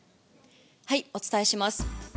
お伝えします。